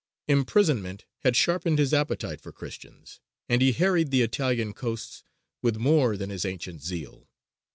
Imprisonment had sharpened his appetite for Christians, and he harried the Italian coasts with more than his ancient zeal.